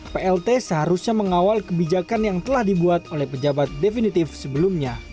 plt seharusnya mengawal kebijakan yang telah dibuat oleh pejabat definitif sebelumnya